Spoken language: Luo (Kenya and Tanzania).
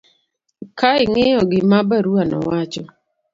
ka ing'iyo gima barua no wacho